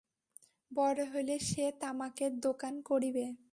বড় হইলে সে তামাকের দোকান করিবে।